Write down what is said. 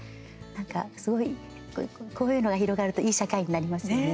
なんか、そういうこういうのが広がるといい社会になりますよね。